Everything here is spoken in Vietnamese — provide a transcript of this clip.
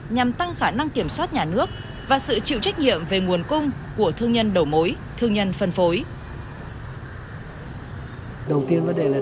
nhằm tăng khả năng kiểm soát nhà nước và sự chịu trách nhiệm về nguồn cung của thương nhân đầu mối thương nhân phân phối